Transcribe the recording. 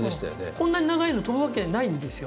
こんなに長いの飛ぶわけないんですよ